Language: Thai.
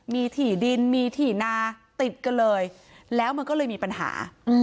มีถี่ดินมีถี่นาติดกันเลยแล้วมันก็เลยมีปัญหา